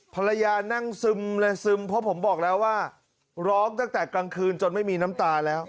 ภรรยานั่งซึมเลยซึมเพราะผมบอกแล้วว่าร้องตั้งแต่กลางคืนจนไม่มีน้ำตาแล้ว